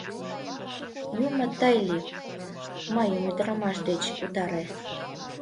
Юмо тый лий, мыйым ӱдырамаш деч утаре!